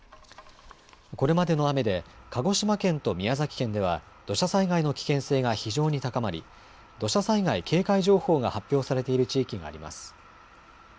これまでの雨で鹿児島県と宮崎県では土砂災害の危険性が非常に高まり土砂災害警戒情報が発表されている地域があります。